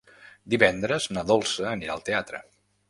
Divendres na Dolça anirà al teatre.